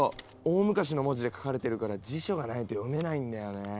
大昔の文字で書かれてるから辞書がないと読めないんだよね。